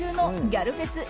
「ギャルフェス」